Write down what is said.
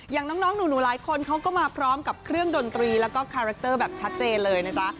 อย่างน้องหนูหลายคนเขาก็มาพร้อมกับเครื่องดนตรีแล้วก็คาแรคเตอร์แบบชัดเจนเลยนะจ๊ะ